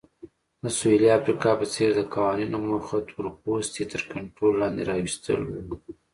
د سویلي افریقا په څېر د قوانینو موخه تورپوستي تر کنټرول لاندې راوستل وو.